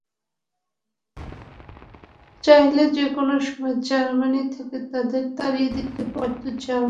চাইলে যেকোনো সময় জার্মানি থেকে তাঁদের তাড়িয়ে দিতে পারত জার্মান কর্তৃপক্ষ।